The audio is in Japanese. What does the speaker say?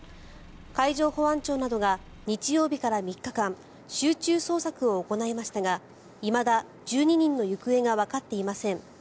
海上保安庁などが日曜日から３日間集中捜索を行いましたがいまだ１２人の行方がわかっていません。